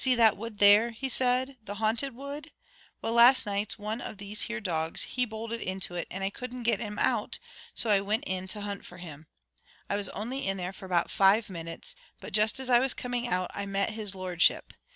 "See that wood there," he said, "the Haunted Wood? Well, last night one of these here dogs, he bolted into it, and I couldn't get him out, so I went in to hunt for him. I was only in there for about five minutes, but just as I was coming out I met his lordship.